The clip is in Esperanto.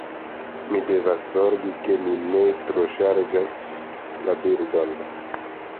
Mi devas zorgi, ke mi ne troŝarĝas la bildon.